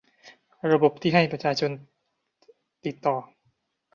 ระบบที่ให้ประชาชนติดต่อ